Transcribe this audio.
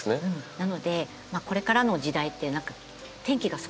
なのでこれからの時代って何か天気がすごく極端だと思うんですよ。